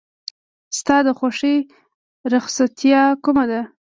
ستا د خوښې رخصتیا کومه ده؟